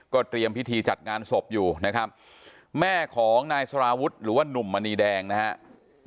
เตรียมพิธีจัดงานศพอยู่นะครับแม่ของนายสารวุฒิหรือว่านุ่มมณีแดงนะครับ